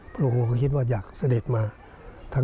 พระองค์ก็คิดว่าอยากเสด็จมา